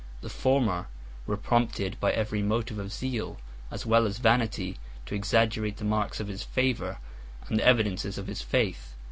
The former were prompted by every motive of zeal, as well as vanity, to exaggerate the marks of his favor, and the evidences of his faith.